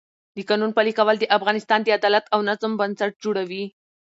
د قانون پلي کول د افغانستان د عدالت او نظم بنسټ جوړوي